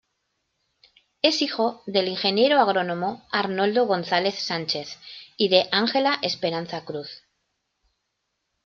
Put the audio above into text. Es hijo del ingeniero agrónomo Arnoldo González Sánchez y de Ángela Esperanza Cruz.